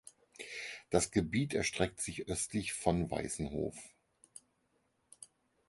Das Gebiet erstreckt sich östlich von Weißenhof.